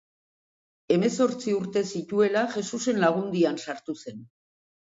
Hemezortzi urte zituela, Jesusen Lagundian sartu zen.